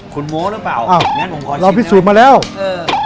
คุณโม้หรือเปล่าอ้าวงั้นผมขอเราพิสูจน์มาแล้วเออ